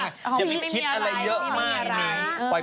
เขาไปทำธุระไปทำอะไรของเขา